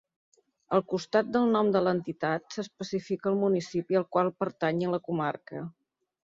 Al costat del nom de l'entitat s'especifica el municipi al qual pertany i la comarca.